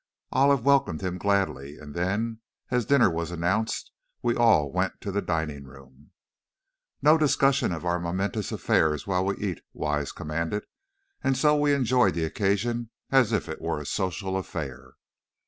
Olive welcomed him gladly, and then, as dinner was announced, we all went to the dining room. "No discussion of our momentous affairs while we eat," Wise commanded, and so we enjoyed the occasion as if it were a social affair.